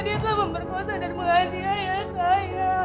dia telah memperkosa dan menghati ayah saya